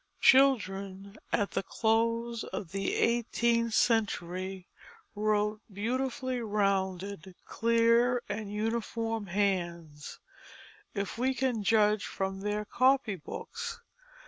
Children at the close of the eighteenth century wrote beautifully rounded, clear, and uniform hands, if we can judge from their copy books.